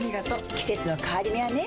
季節の変わり目はねうん。